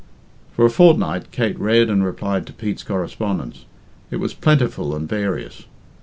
For a fortnight Kate read and replied to Pete's correspondence. It was plentiful and various.